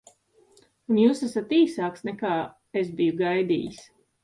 Un jūs esat īsāks, nekā es biju gaidījis.